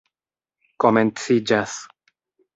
komenciĝas